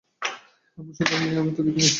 এমন সুন্দর মেয়ে আমি তো দেখি নাই।